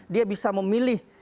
dia bisa memilih